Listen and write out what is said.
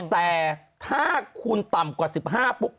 แต่ถ้าคุณต่ำกว่า๑๕ปุ๊บ